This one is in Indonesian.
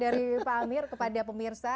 dari pak amir kepada pemirsa